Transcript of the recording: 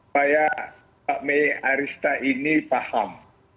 saya pak may arista ini paham